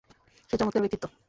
সে চমৎকার ব্যক্তিত্ব।